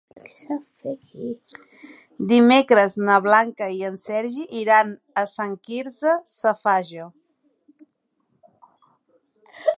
Dimecres na Blanca i en Sergi iran a Sant Quirze Safaja.